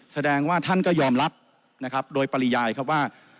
แสดงว่าท่านก็ยอมรับนะครับโดยปริยายครับว่า